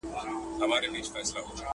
چا ویل؟ چي سوځم له انګار سره مي نه لګي؛